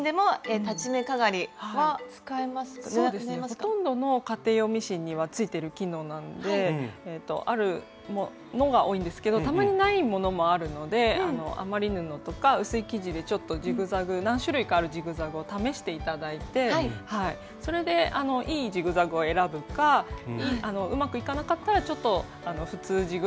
ほとんどの家庭用ミシンにはついてる機能なんであるものが多いんですけどたまにないものもあるので余り布とか薄い生地でちょっとジグザグ何種類かあるジグザグを試して頂いてそれでいいジグザグを選ぶかうまくいかなかったらちょっと普通地ぐらいから作って頂くといいかなと。